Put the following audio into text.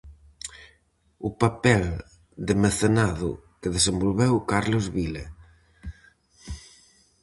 O papel de mecenado que desenvolveu Carlos Vila.